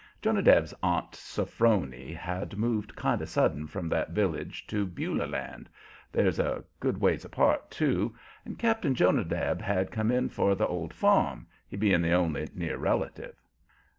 Jonadab's Aunt Sophrony had moved kind of sudden from that village to Beulah Land they're a good ways apart, too and Cap'n Jonadab had come in for the old farm, he being the only near relative.